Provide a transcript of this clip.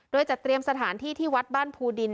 โดยจะเตรียมสถานที่ที่วัดบ้านภูดิน